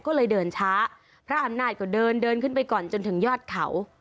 ก็เลยเดินช้าพระอำนาจก็เดินเดินขึ้นไปก่อนจนถึงยอดเขา